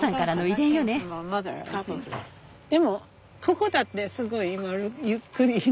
でもここだってすごい今ゆっくりの場所